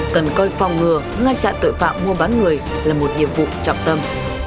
cần coi phòng ngừa ngăn chặn tội phạm mua bán người là một nhiệm vụ trọng tâm